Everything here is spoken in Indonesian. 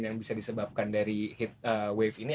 yang bisa disebabkan dari heat wave ini